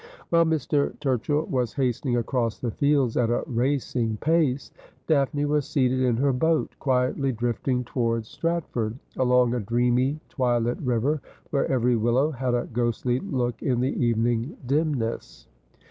While Mr. Turchill was hastening across the fields at a racing pace, Daphne was seated in her boat, quietly drifting towards 264 Asjpliodel. Stratford, along a dreamy twilit river, where every willow had a ghostly look in the evening dimness.